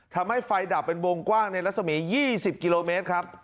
ทำให้ไฟดับเป็นวงกว้างในรัศมี๒๐กิโลเมตรครับ